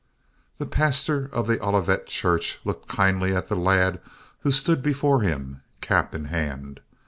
The pastor of Olivet Church looked kindly at the lad who stood before him, cap in hand.